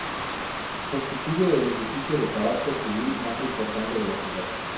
Constituye el edificio de carácter civil más importante de la ciudad.